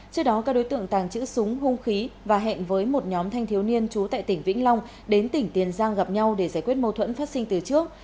trước đó các đối tượng tàng trữ súng hung khí và hẹn với một nhóm thanh thiếu niên trú tại tỉnh vĩnh long đến tỉnh tiền giang gặp nhau để giải quyết mâu thuẫn phát sinh từ trước